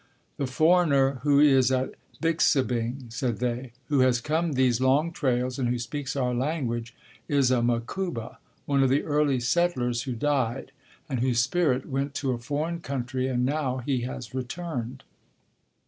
"The foreigner who is at Bixibing," said they, "who has come these long trails and who speaks our language is a Makuba, one of the early settlers who died, and whose spirit went to a foreign country and now he has returned."